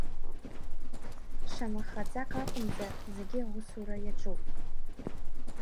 Шамахаӡак акәымзар зегь аусура иаҿуп.